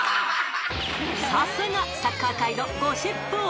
［さすがサッカー界のゴシップ王］